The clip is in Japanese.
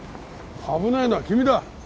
危ないのは君だ。